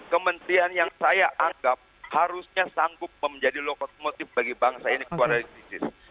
kementrian yang saya anggap harusnya sanggup menjadi lokomotif bagi bangsa ini keluar dari krisis